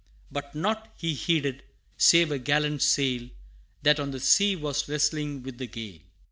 But nought he heeded, save a gallant sail That on the sea was wrestling with the gale.